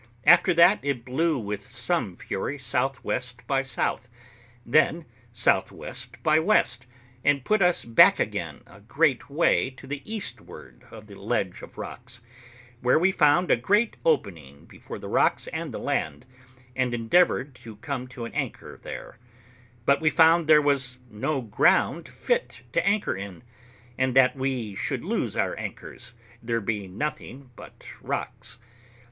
After that, it blew with some fury S.W. by S., then S.W. by W., and put us back again a great way to the eastward of the ledge of rocks, where we found a great opening between the rocks and the land, and endeavoured to come to an anchor there, but we found there was no ground fit to anchor in, and that we should lose our anchors, there being nothing but rocks.